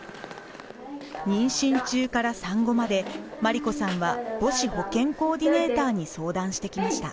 妊娠中から産後まで真理子さんは母子保健コーディネーターに相談してきました。